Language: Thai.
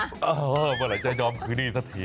เมื่อไหร่จะยอมคืนดีสักที